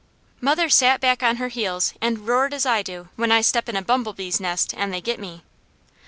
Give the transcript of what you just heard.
Mother sat back on her heels and roared as I do when I step in a bumblebee's nest, and they get me.